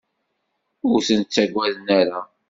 Ur ten-ttagaden ara.